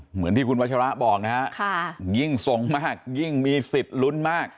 เหมือนที่คุณวัชระบอกนะฮะยิ่งส่งมากยิ่งมีสิทธิ์ลุ้นมาก